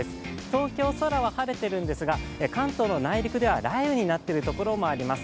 東京、空は晴れているんですが、関東の内陸では雷雨になっているところもあります。